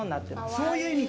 そういう意味か。